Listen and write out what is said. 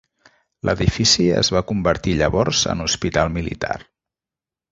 L'edifici es va convertir llavors en hospital militar.